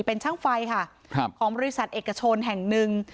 เป็นช่างไฟค่ะครับของบริษัทเอกชนแห่งหนึ่ง